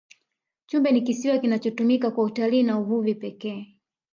chumbe ni kisiwa kinachotumika kwa utalii na uvuvi pekee